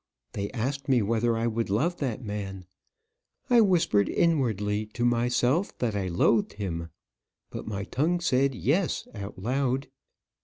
They asked me whether I would love that man. I whispered inwardly to myself that I loathed him; but my tongue said 'Yes,' out loud.